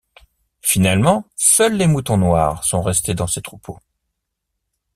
Finalement, seuls les moutons noirs sont restés dans ces troupeaux.